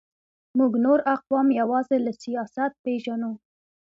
موږ نور اقوام یوازې له سیاست پېژنو.